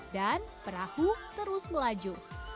dan perahu terus melaju